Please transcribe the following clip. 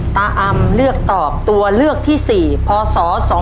ตาอำเลือกตอบตัวเลือกที่สี่พศ๒๕๕๔